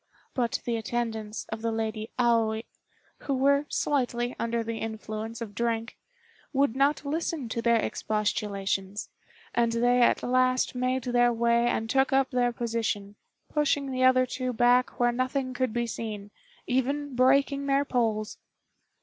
But the attendants of the Lady Aoi, who were slightly under the influence of drink, would not listen to their expostulations, and they at last made their way and took up their position, pushing the other two back where nothing could be seen, even breaking their poles.